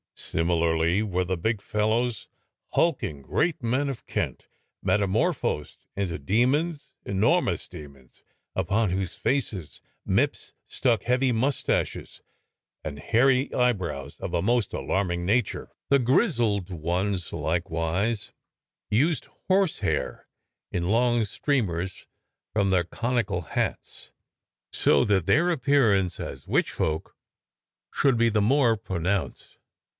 Similarly were the big fel lows, hulking great men of Kent, metamorphosed into demons, enormous demons upon whose faces Mipps stuck heavy moustaches and hairy eyebrows of a most alarming nature. The grizzled ones likewise used horse hair in long streamers from their conical hats, so that their appearance as witchfolk should be the more pro nounced.